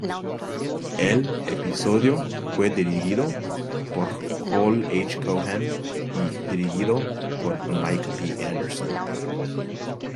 El episodio fue dirigido por Joel H. Cohen y dirigido por Mike B. Anderson.